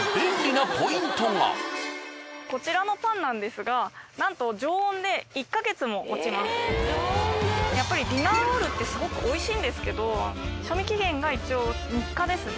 こちらのパンなんですがなんとやっぱりディナーロールってすごく美味しいんですけど消費期限が一応３日ですね。